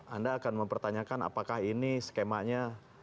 anda akan mempertanyakan apakah ini skemanya